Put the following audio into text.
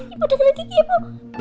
ibu udah kena gigi ibu